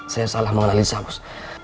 saya salah mengenali saya bos